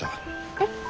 えっ？